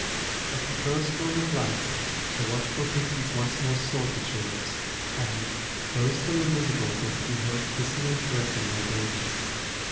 At the first dawn of light the watchful pixies once more sought the tulips, and, though still invisible they could be heard kissing and caressing their babies.